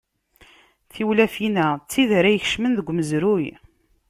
Tiwlafin-a d tid ara ikecmen deg umezruy.